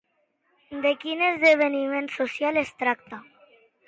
De quin esdeveniment social es tracta?